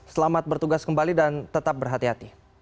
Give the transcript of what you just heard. selamat bertugas kembali dan tetap berhati hati